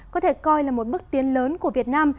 có thể coi là một bước tiến lớn của việt nam